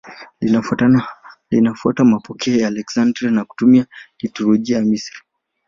Linafuata mapokeo ya Aleksandria na kutumia liturujia ya Misri.